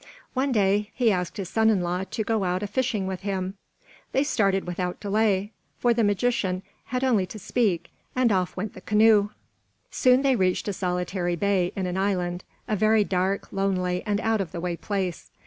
One day he asked his son in law to go out a fishing with him. They started without delay; for the magician had only to speak, and oft went the canoe. Soon they reached a solitary bay in an island, a very dark, lonely, and out of the way place.